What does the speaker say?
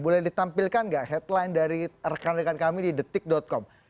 boleh ditampilkan nggak headline dari rekan rekan kami di detik com